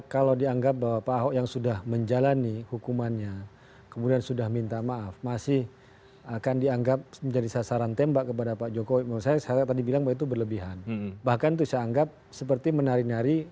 kalau yang disampaikan oleh pak btp kepada kami